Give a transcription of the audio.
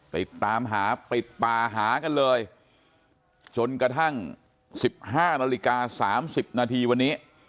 ติดตามหาปิดป่าหากันเลยจนกระทั่ง๑๕นาฬิกา๓๐นาทีวันนี้